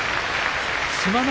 志摩ノ